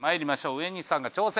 上西さんが挑戦。